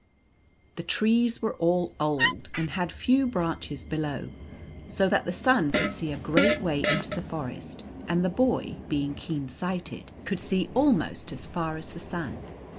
The trees were all old, and had few branches below, so that the sun could see a great way into the forest ; and the boy, being keen sighted, could see almost as far as the sun.